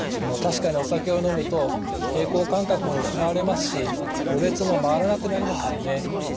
確かにお酒を飲むと平衡感覚も失われますしろれつも回らなくなりますよね。